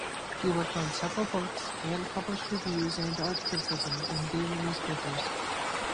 He worked on several books and published reviews and art criticism in daily newspapers.